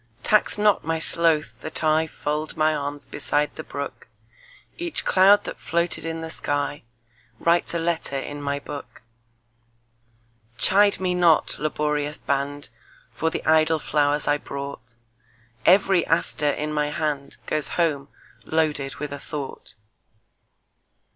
Tax not my sloth that IFold my arms beside the brook; Each cloud that floated in the skyWrites a letter in my book. Chide me not, laborious band, For the idle flowers I brought; Every aster in my handGoes home loaded with a thought.